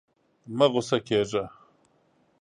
مه غوسه کېږه!